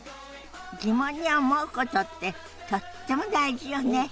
疑問に思うことってとっても大事よね。